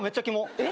えっ？